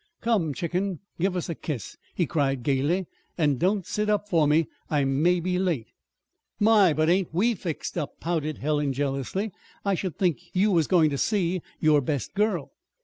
"Come, chicken, give us a kiss," he cried gayly; "and don't sit up for me: I may be late." "My, but ain't we fixed up!" pouted Helen jealously. "I should think you was going to see your best girl."